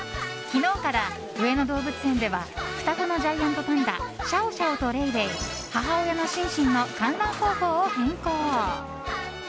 昨日から上野動物園では双子のジャイアントパンダシャオシャオとレイレイ母親のシンシンの観覧方法を変更。